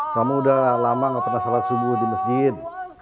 kamu sudah lama tidak pernah salat subuh di masjid